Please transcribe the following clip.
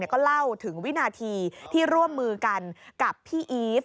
ก็เล่าถึงวินาทีที่ร่วมมือกันกับพี่อีฟ